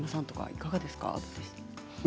いかがですか？